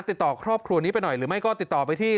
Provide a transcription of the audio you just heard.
ติดต่อครอบครัวนี้ไปหน่อยหรือไม่ก็ติดต่อไปที่